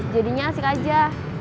jadinya asik aja